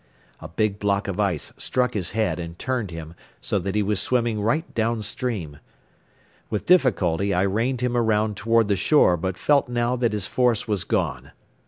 A big block of ice struck his head and turned him so that he was swimming right downstream. With difficulty I reined him around toward the shore but felt now that his force was gone.